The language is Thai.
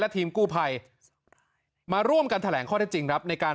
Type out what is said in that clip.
ทีมกู้ภัยมาร่วมกันแถลงข้อได้จริงครับในการ